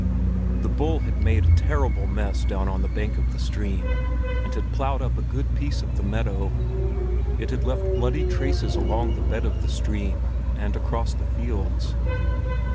The bull had made a terrible mess down on the bank of the stream, and had ploughed up a good piece of the meadow. It had left bloody traces along the bed of the stream and across the fields.